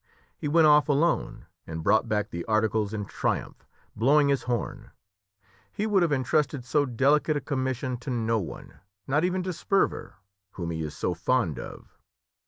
He went off alone, and brought back the articles in triumph, blowing his horn. He would have entrusted so delicate a commission to no one, not even to Sperver, whom he is so fond of.